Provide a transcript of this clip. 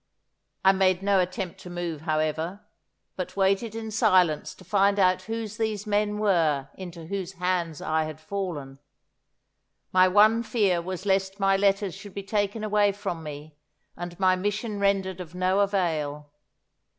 I made no attempt to move, however, but waited in silence to find out who these men were into whose hands I had fallen. My one fear was lest my letters should be taken away from me, and my mission rendered of no avail.